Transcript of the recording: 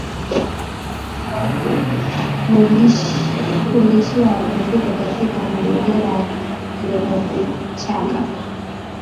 Kulishia mifugo katika mazingira yenye vichaka